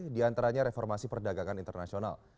di antaranya reformasi perdagangan internasional